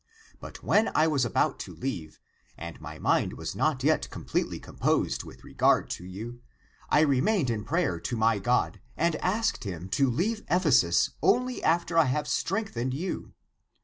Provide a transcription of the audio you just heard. But when I was about to leave and my mind was not yet completely composed with re gard to you, I remained in prayer to my God and asked Him to leave Ephesus only after I have strengthened you.